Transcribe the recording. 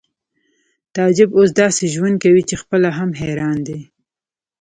تعجب اوس داسې ژوند کوي چې خپله هم حیران دی